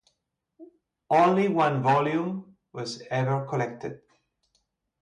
Only one volume was ever collected.